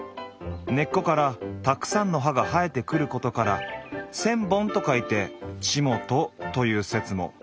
根っこからたくさんの葉が生えてくることから「千本」と書いて「ちもと」という説も。